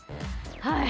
はい